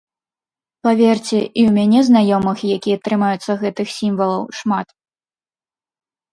Паверце, і ў мяне знаёмых, якія трымаюцца гэтых сімвалаў, шмат.